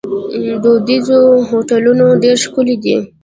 دودیز هوټلونه ډیر ښکلي دي.